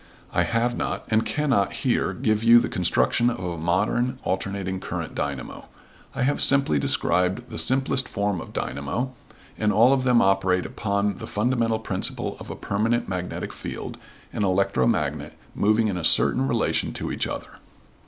I have not and cannot here give you the construction of a modern alternating current dynamo. I have simply described the simplest form of dynamo, and all of them operate upon the fundamental principle of a permanent magnetic field and an electromagnet, moving in a certain relation to each other.